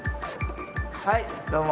はいどうも。